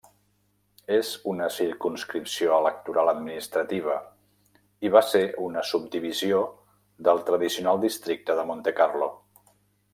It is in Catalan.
És una circumscripció electoral administrativa, i va ser una subdivisió del tradicional districte de Montecarlo.